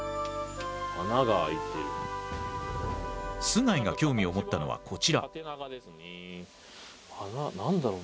須貝が興味を持ったのはこちら。